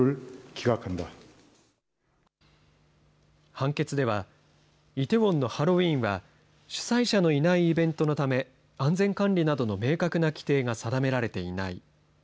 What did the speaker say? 判決では、イテウォンのハロウィーンは、主催者のいないイベントのため、安全管理などの明確な規定が定められていない。